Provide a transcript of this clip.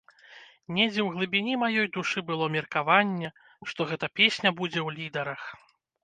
Недзе ў глыбіні маёй душы было меркаванне, што гэта песня будзе ў лідарах.